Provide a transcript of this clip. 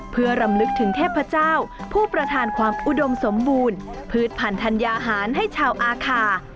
เพื่อรำลึกถึงเทพเจ้าผู้ประทานความอุดมสมบูรณ์พืชพันธัญญาหารให้ชาวอาคา